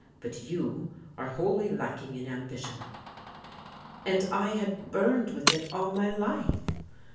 But you are wholly lacking in ambition." And I had burned with it all my life!